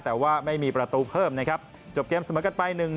แต่ว่าไม่มีประตูเพิ่มนะครับจบเกมเสมอกันไปหนึ่ง